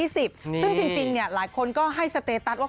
ซึ่งจริงหลายคนก็ให้สเตตัสว่า